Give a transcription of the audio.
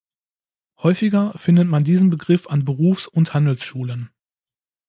Häufiger findet man diesen Begriff an Berufs- und Handelsschulen.